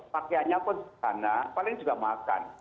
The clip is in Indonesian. pakaiannya pun sederhana paling juga makan